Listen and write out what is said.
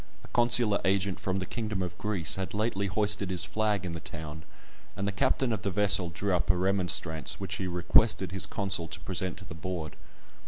A consular agent from the kingdom of Greece had lately hoisted his flag in the town, and the captain of the vessel drew up a remonstrance, which he requested his consul to present to the Board.